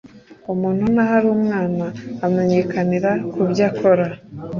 umuntu naho ari umwana amenyekanira ku byo akora